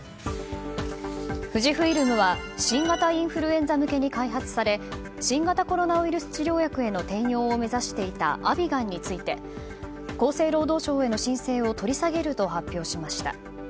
富士フイルムは新型インフルエンザ向けに開発され新型コロナウイルス治療薬への転用を目指していたアビガンについて厚生労働省への申請を取り下げると発表しました。